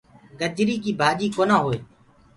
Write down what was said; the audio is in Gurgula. گجري ڪي ڀآجي ڪونآ هئي۔